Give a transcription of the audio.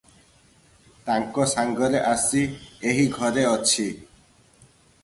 ତାଙ୍କ ସାଂଗରେ ଆସି ଏହି ଘରେ ଅଛି ।"